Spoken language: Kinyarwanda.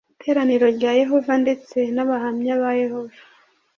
Iteraniro rya yehova ndetse nabahamya bayehova